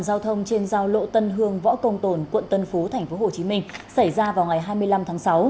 đầu tiên xảy ra trên giao lộ tân hương võ công tồn quận tân phú tp hcm xảy ra vào ngày hai mươi năm tháng sáu